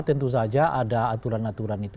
tentu saja ada aturan aturan itu